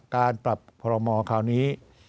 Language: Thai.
การปรับพรมอคราวนี้